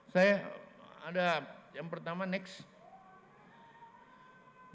saya ada yang pertama next